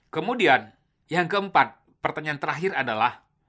kemudian yang keempat pertanyaan terakhir adalah